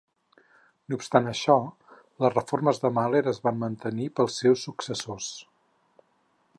No obstant això, les reformes de Mahler es van mantenir pels seus successors.